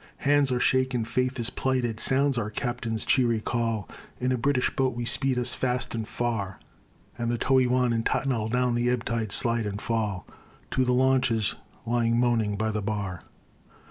Hands are shaken, faith is plighted, sounds our Captain's cheery call, In a British boat we speed us fast and far; And the Toey Wan and Tattnall down the ebb tide slide and fall To the launches lying moaning by the bar.